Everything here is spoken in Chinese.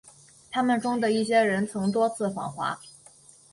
他们中的一些人曾多次访华。